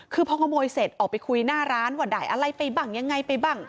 คือพอขโมยเสร็จออกไปคุยหน้าร้านว่าได้อะไรไปบ้างยังไงไปบ้าง